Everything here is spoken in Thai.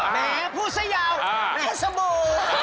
แม้พูดซะยาวแหมสบู่